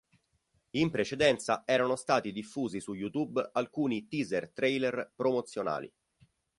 In precedenza erano stati diffusi su YouTube alcuni teaser trailer promozionali.